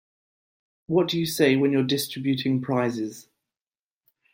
What do you say when you're distributing prizes?